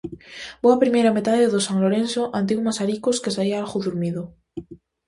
Boa primeira metade do San Lourenzo ante un Mazaricos que saía algo durmido.